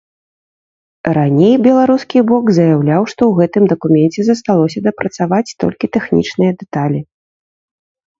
Раней беларускі бок заяўляў, што ў гэтым дакуменце засталося дапрацаваць толькі тэхнічныя дэталі.